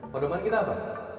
pedoman kita apa